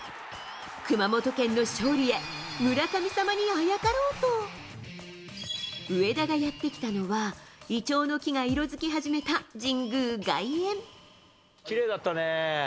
熊本県の勝利へ、村神様にあやかろうと、上田がやって来たのは、イチョウの木が色きれいだったね。